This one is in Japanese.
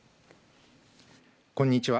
こんにちは。